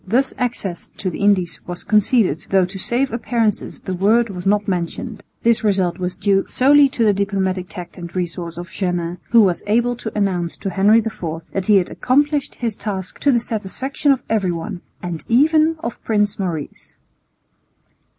Thus access to the Indies was conceded, though to save appearances the word was not mentioned. This result was due solely to the diplomatic tact and resource of Jeannin, who was able to announce to Henry IV that he had accomplished his task "to the satisfaction of everyone, and even of Prince Maurice."